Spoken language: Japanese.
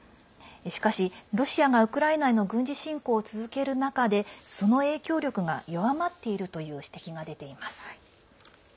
しかし、ロシアがウクライナへの軍事侵攻を続ける中でその影響力が弱まっているという指摘が出ています。